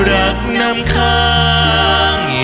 รักทั้งหมุนทั้งหมุน